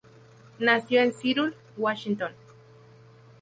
Nació en Seattle, Washington.